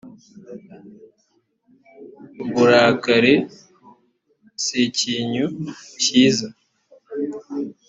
uburakari sikinyu kiza